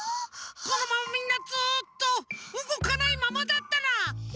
このままみんなずっとうごかないままだったら！